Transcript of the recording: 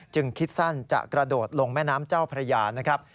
คิดสั้นจะกระโดดลงแม่น้ำเจ้าพระยานะครับ